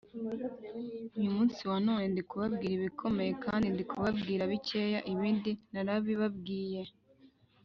uyu munsi wa none ndi kubabwira ibikomeye kandi ndi kubabwira bikeya ibindi narabibabwiye,